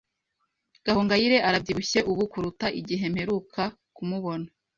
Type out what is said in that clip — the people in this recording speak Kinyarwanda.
Gahongayire arabyibushye ubu kuruta igihe mperuka kumubona.